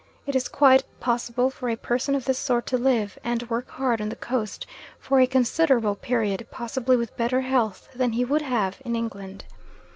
It is quite possible for a person of this sort to live, and work hard on the Coast for a considerable period, possibly with better health than he would have in England.